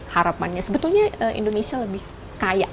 harapannya sebetulnya indonesia lebih kaya